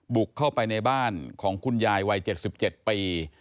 บุกเข้าไปในบ้านของคุณยายวัย๗๗ปี